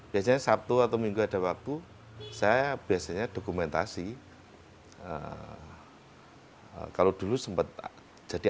biasanya sabtu atau minggu ada waktu saya biasanya dokumentasi kalau dulu sempat jadi